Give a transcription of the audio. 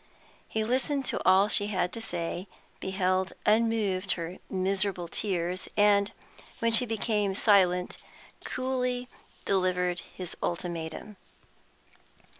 He listened to all she had to say, beheld unmoved her miserable tears, and, when she became silent, coolly delivered his ultimatum.